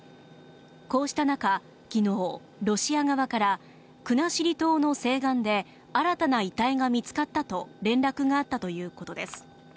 こうした中きのうロシア側から国後島の西岸で新たな遺体が見つかったと連絡があったということです